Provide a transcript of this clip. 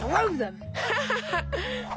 ハハハハハ！